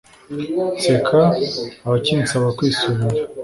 Nseka abakinsaba kwisubira